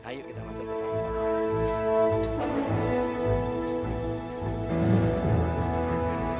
ayo kita masuk pertama